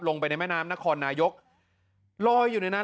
ลงไปในแม่น้ำนครนายกลอยอยู่ในนั้น